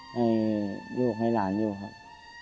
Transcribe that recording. ให้ลูกให้หลานอยู่ครับ